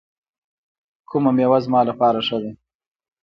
کومه میوه زما لپاره ښه ده؟